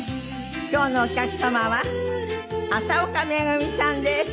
今日のお客様は麻丘めぐみさんです。